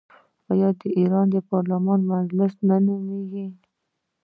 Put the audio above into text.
آیا د ایران پارلمان مجلس نه نومیږي؟